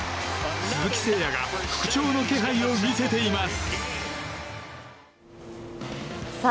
鈴木誠也が復調の気配を見せています。